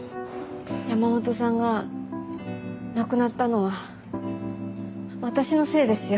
山本さんが亡くなったのは私のせいですよ。